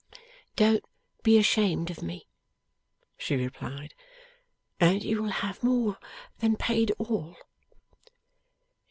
'Don't be ashamed of me,' she replied, 'and you will have more than paid all.